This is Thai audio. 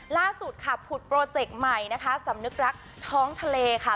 ล่าสุดค่ะผุดโปรเจกต์ใหม่นะคะสำนึกรักท้องทะเลค่ะ